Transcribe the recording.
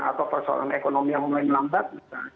atau persoalan ekonomi yang mulai melambat